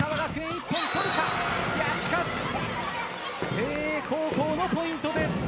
誠英高校のポイントです。